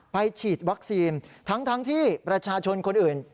ฉีดวัคซีนทั้งที่ประชาชนคนอื่น